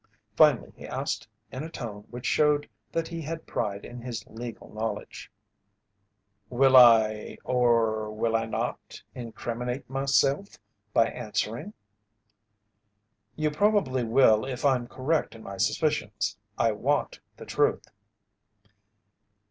Finally he asked in a tone which showed that he had pride in his legal knowledge: "Will I or will I not incriminate myself by answering?" "You probably will if I'm correct in my suspicions. I want the truth."